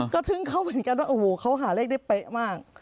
ก็ทึ้งเขาเหมือนกันว่าโอ้โหเขาหาเลขได้เป๊ะมาก